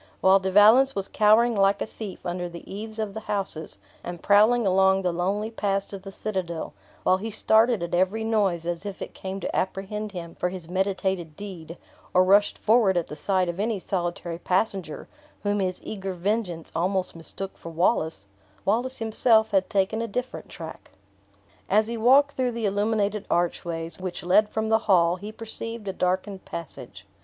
While De Valence was cowering like a thief under the eaves of the houses, and prowling along the lonely paths to the citadel; while he started at every noise, as if it came to apprehend him for his meditated deed, or rushed forward at the sight of any solitary passenger, whom his eager vengeance almost mistook for Wallace Wallace himself had taken a different track. As he walked through the illuminated archways, which led from the hall, he perceived a darkened passage.